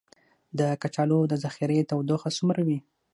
د کچالو د ذخیرې تودوخه څومره وي؟